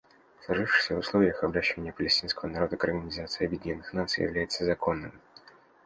В сложившихся условиях обращение палестинского народа к Организации Объединенных Наций является законным.